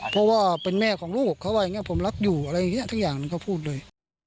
เพราะว่าเป็นแม่ของลูกเขาว่าอย่างนี้ผมรักอยู่อะไรอย่างนี้สักอย่างหนึ่งเขาพูดเลย